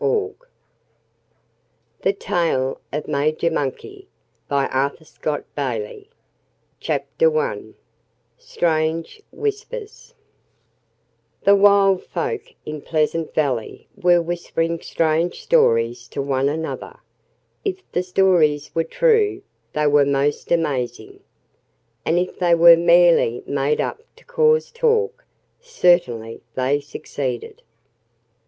113 XXIII The Major Goes South 117 The Tale of Major Monkey I Strange Whispers The wild folk in Pleasant Valley were whispering strange stories to one another. If the stories were true, they were most amazing. And if they were merely made up to cause talk, certainly they succeeded.